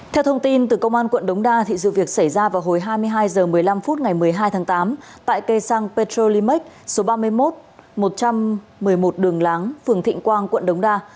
theo thông tin từ công an quận đống đa sự việc xảy ra vào hồi hai mươi hai h một mươi năm phút ngày một mươi hai tháng tám tại cây xăng petrolimax số ba mươi một một trăm một mươi một đường láng phường thịnh quang quận đống đa